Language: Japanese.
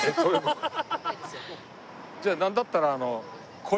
じゃあなんだったら。